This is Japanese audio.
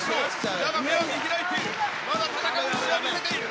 だが目を見開いている、まだ戦う意志は見せている。